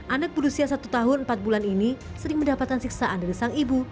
anak berusia satu tahun empat bulan ini sering mendapatkan siksaan dari sang ibu